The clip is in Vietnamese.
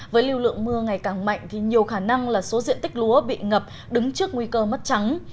với lưu lượng mưa ngày càng mạnh thì nhiều khả năng là số diện tích lúa bị ngập đứng trước nguy cơ mất trắng